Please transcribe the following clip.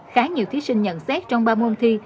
khá nhiều thí sinh nhận xét trong ba môn thi